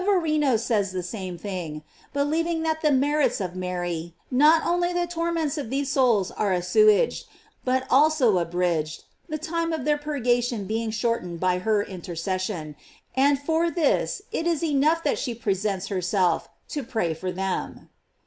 271 And Novarino says the same thing, believing that by the merits of Mary, not only the torments of these souls are assuaged, but also abridged, the time of their purgation being shortened by her intercession:* and for this it is enough that she presents herself to pray for them.